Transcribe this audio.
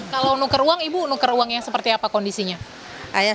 kalau nukar uang ibu nuker uangnya seperti apa kondisinya